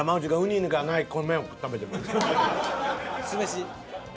酢飯。